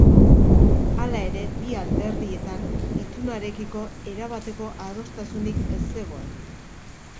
Hala ere, bi alderdietan itunarekiko erabateko adostasunik ez zegoen.